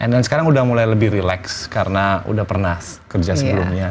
and then sekarang udah mulai lebih relax karena udah pernah kerja sebelumnya